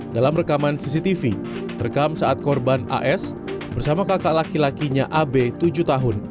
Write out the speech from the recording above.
dalam rekaman cctv terekam saat korban as bersama kakak laki lakinya ab tujuh tahun